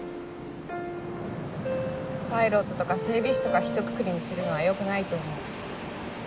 パイロットとか整備士とかひとくくりにするのは良くないと思う。